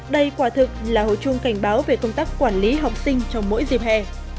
đây quả thực là hồ chung cảnh báo về công tác quản lý học sinh trong mỗi dịp hè